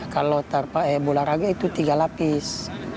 kalau bola raga itu tiga lapis